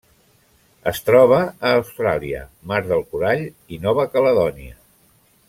Es troba a Austràlia, Mar del Corall i Nova Caledònia.